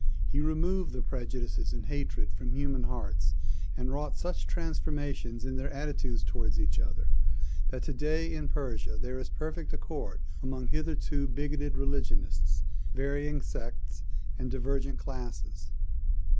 He removed the prejudices and hatred from human hearts and wrought such transformation in their attitudes toward each other that today in Persia there is perfect accord among hitherto bigoted religionists, varying sects and divergent classes.